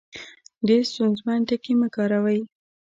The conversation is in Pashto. ډېر ستونزمن ټکي مۀ کاروئ